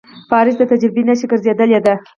پاریس د تجربې نښه ګرځېدلې ده.